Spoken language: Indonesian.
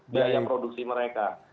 biaya produksi mereka